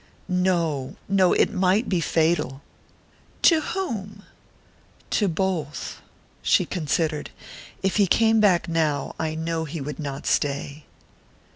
"No no! It might be fatal." "To whom?" "To both." She considered. "If he came back now I know he would not stay."